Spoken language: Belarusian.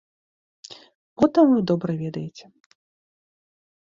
Потым вы добра ведаеце.